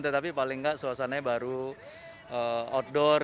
tetapi paling nggak suasananya baru outdoor